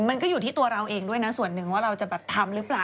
มันก็อยู่ที่ตัวเราเองด้วยนะส่วนหนึ่งว่าเราจะแบบทำหรือเปล่า